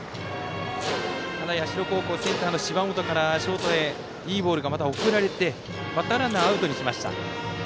社高校、センターの芝本からショートにいいボールが送られてバッターランナーアウトにしました。